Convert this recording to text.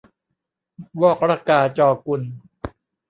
วอก ระกา จอ กุน